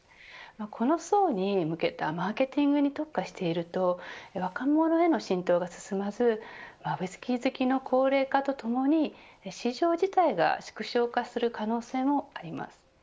この層に向けたマーケティングに特化していると若者への浸透が進まずウイスキー好きの高齢化とともに市場自体が縮小化する可能性もあります。